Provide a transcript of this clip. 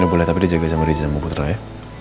ya boleh tapi dijaga sama riza sama putra ya